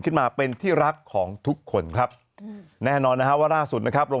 ขึ้นมาเป็นที่รักของทุกคนครับแน่นอนนะฮะว่าล่าสุดนะครับลง